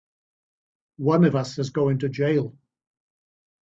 One of us is going to jail!